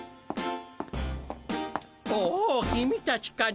おお君たちかね？